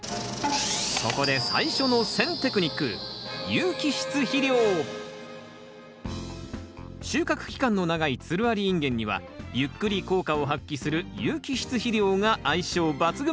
ここで最初の選テクニック収穫期間の長いつるありインゲンにはゆっくり効果を発揮する有機質肥料が相性抜群！